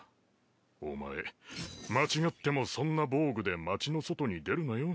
お前間違ってもそんな防具で街の外に出るなよ。